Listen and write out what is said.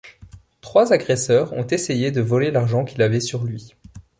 Trois agresseurs ont essayé de voler l’argent qu’il avait sur lui.